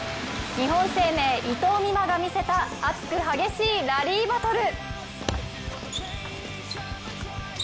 日本生命・伊藤美誠が見せた熱く激しいラリーバトル。